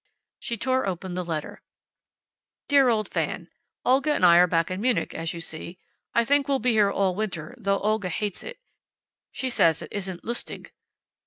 She tore open the letter. "Dear Old Fan: "Olga and I are back in Munich, as you see. I think we'll be here all winter, though Olga hates it. She says it isn't lustig.